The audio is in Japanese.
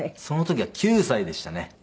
その時は９歳でしたね。